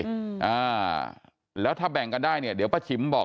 อ่าแล้วถ้าแบ่งกันได้เนี่ยเดี๋ยวป้าฉิมบอก